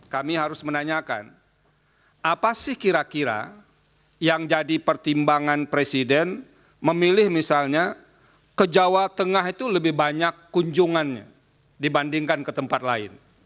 kami harus menanyakan apa sih kira kira yang jadi pertimbangan presiden memilih misalnya ke jawa tengah itu lebih banyak kunjungannya dibandingkan ke tempat lain